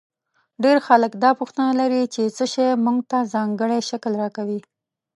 ډېر خلک دا پوښتنه لري چې څه شی موږ ته ځانګړی شکل راکوي.